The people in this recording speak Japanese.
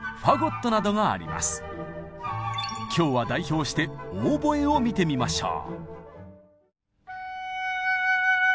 今日は代表してオーボエを見てみましょう。